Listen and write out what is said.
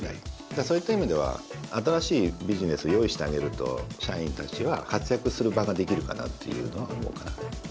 そういった意味では新しいビジネスを用意してあげると社員たちは活躍する場ができるかなっていうのは思うかな。